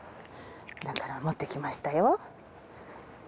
だから持ってきましたよ。